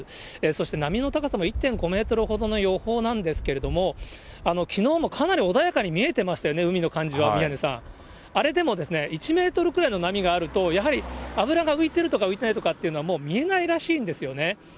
そして波の高さも１．５メートルほどの予報なんですけれども、きのうもかなり穏やかに見えてましたよね、海の感じは、宮根さん、あれでも、１メートルくらいの波があると、やはり油が浮いてるとか、浮いてないのかっていうのは、もう見えないらしいんですよね。